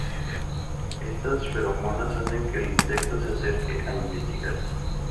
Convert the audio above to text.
Estas feromonas hacen que el insecto se acerque a investigar.